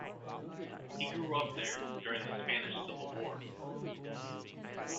He grew up there during the Spanish Civil War.